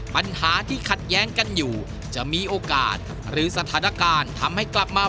ปัญหาที่ขัดแย้งกันอยู่จะมีโอกาสหรือสถานการณ์ทำให้กลับมา